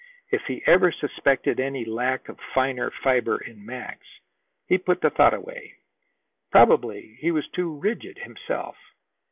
If he ever suspected any lack of finer fiber in Max, he put the thought away. Probably he was too rigid himself.